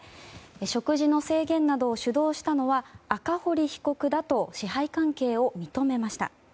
食事の制限などを主導したのは赤堀被告だと支配関係を認めました。